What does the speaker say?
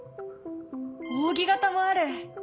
扇形もある！